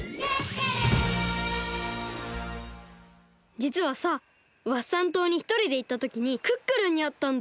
じつはさワッサン島にひとりでいったときにクックルンにあったんだ。